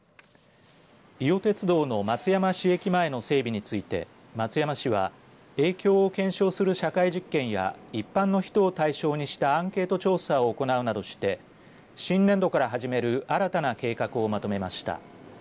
伊予鉄道の松山市駅前の整備について松山市は影響を検証する社会実験や一般の人を対象にしたアンケート調査を行うなどして新年度から始める新たな計画をまとめました。